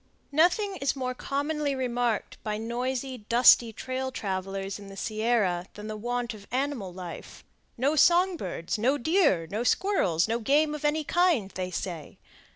Nothing is more commonly remarked by noisy, dusty trail travelers in the Sierra than the want of animal life—no song birds, no deer, no squirrels, no game of any kind, they say.